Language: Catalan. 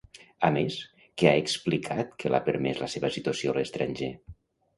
A més, què ha explicat que l'ha permès la seva situació a l'estranger?